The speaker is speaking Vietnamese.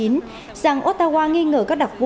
rằng ottawa nghi ngờ các đặc vụ